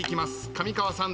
上川さん